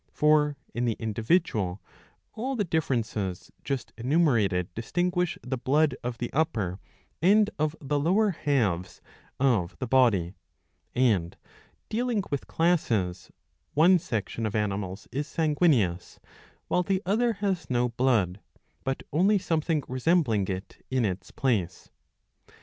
For, in the individual, all the differences just enumerated dis tinguish the blood of the upper and of the lower halves of the body ; and, dealing with classes, one section of animals is sanguineous, while the other has no blood, but only something resembling it in its place.